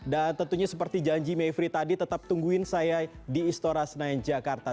dan tentunya seperti janji mayfri tadi tetap tungguin saya di istora senayan jakarta